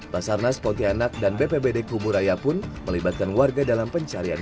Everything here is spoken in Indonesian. basarnas pontianak dan bpbd kuburaya pun melibatkan warga dalam pencarian